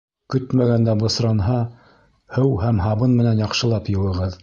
Көтмәгәндә бысранһа, һыу һәм һабын менән яҡшылап йыуығыҙ.